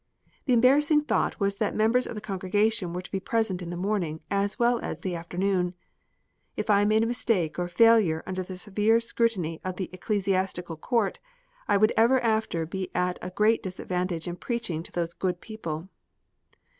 The embarrassing thought was that members of the congregation were to be present in the morning, as well as the afternoon. If I made a mistake or failure under the severe scrutiny of the Ecclesiastical Court, I would ever after be at a great disadvantage in preaching to those good people.